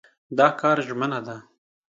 دا کار ژمنه ده.